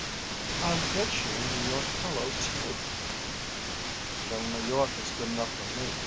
"I'll bet you're a New York fellow, too." "Little New York is good enough for me.